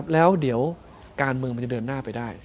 แล้วการเมิงมันเดินหน้าไปได้